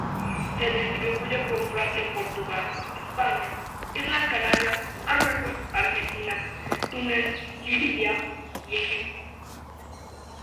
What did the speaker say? Se distribuye por Francia, Portugal, España, Islas Canarias, Marruecos, Argelia, Túnez, Libia y Egipto.